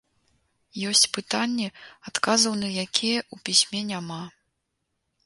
Ёсць пытанні, адказаў на якія ў пісьме няма.